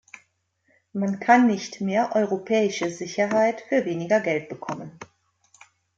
Man kann nicht mehr europäische Sicherheit für weniger Geld bekommen.